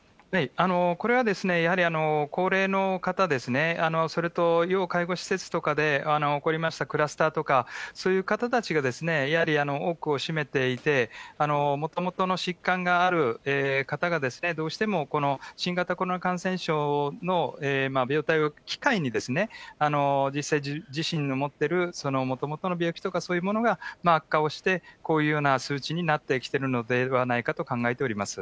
これは、やはり高齢の方ですね、それと要介護施設とかで起こりましたクラスターとか、そういう方たちがやはり多くを占めていて、もともとの疾患がある方が、どうしても新型コロナ感染症の病態を機会に、実際、自身の持っているもともとの病気とか、そういうものが悪化をして、こういうような数値になってきているのではないかと考えております。